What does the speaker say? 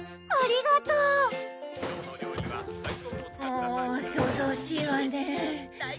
もう騒々しいわね。